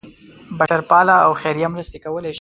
بشرپاله او خیریه مرستې کولې.